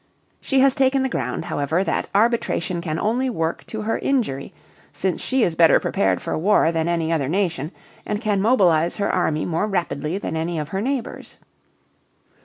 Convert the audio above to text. She has taken the ground, however, that arbitration can only work to her injury, since she is better prepared for war than any other nation and can mobilize her army more rapidly than any of her neighbors.